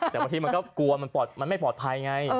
แต่บางทีมันก็กลัวมันไม่ปลอดภัยไง